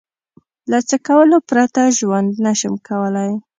له څه کولو پرته ژوند نشم کولای؟